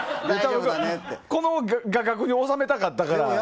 この画角に収めたかったから。